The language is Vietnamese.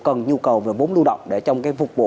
cần nhu cầu về vốn lưu động để trong cái phục vụ